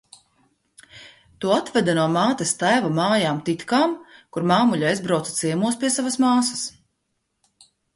"To atveda no mātes tēva mājām "Titkām", kur māmuļa aizbrauca ciemos pie savas māsas."